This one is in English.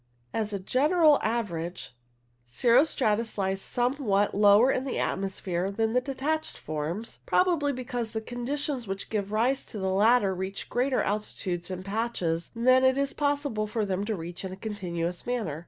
As a general average, cirro stratus lies somewhat lower in the atmosphere than the detached forms, CLOUD FORMATION 57 probably because the conditions which give rise to the latter reach to greater altitudes in patches than it is possible for them to reach in a continuous manner.